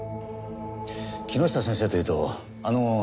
木下先生というとあの秀栄大の？